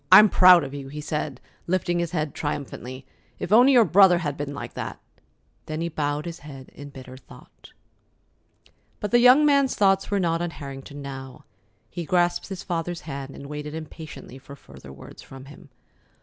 I'm proud of you," he said, lifting his head triumphantly. "If only your brother had been like that!" Then he bowed his head in bitter thought. But the young man's thoughts were not on Harrington now. He grasped his father's hand, and waited impatiently for further words from him.